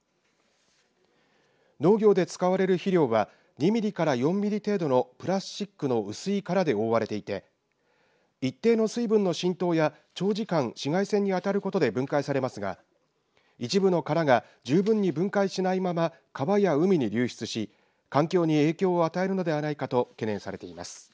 農業で使われる肥料は２ミリから４ミリ程度のプラスチックの薄い殻で覆われていて一定の水分の浸透や長時間紫外線に当たることで分解されますが一部の殻が十分に分解しないまま川や海に流出し環境に影響を与えるのではないかと懸念されています。